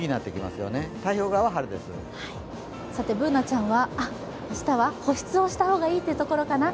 Ｂｏｏｎａちゃんは、明日は保湿をした方がいいというところかな。